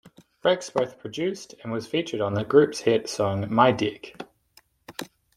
Rex both produced and was featured on the group's hit song My Dick.